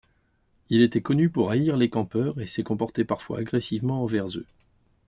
Il était connu pour haïr les campeurs et s'est comporté parfois agressivement envers eux.